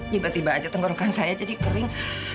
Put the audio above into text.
tiba tiba aja tenggorokan saya jadi kering